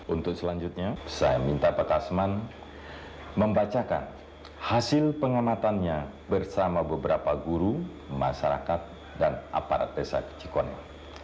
untuk selanjutnya saya minta pak tasman membacakan hasil pengamatannya bersama beberapa guru masyarakat dan aparat desa ke cikono